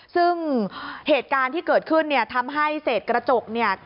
ซึ่งเหตุการณ์ที่เกิดขึ้นเนี่ยทำให้เศษกระจกเนี่ย